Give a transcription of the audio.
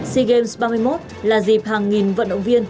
sea games ba mươi một là dịp hàng nghìn vận động viên